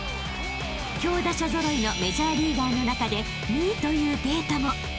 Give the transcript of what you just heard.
［強打者揃いのメジャーリーガーの中で２位というデータも］